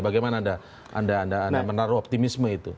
bagaimana anda menaruh optimisme itu